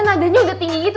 naganya udah tinggi gitu